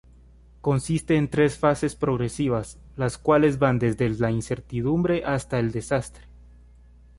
Consiste en tres fases progresivas, las cuales van desde la incertidumbre hasta el desastre.